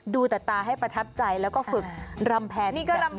ดูแต่ตาให้ประทับใจแล้วก็ฝึกรำแพนแบบนี้กลับไป